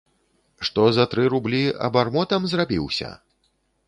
Што за тры рублі абармотам зрабіўся?!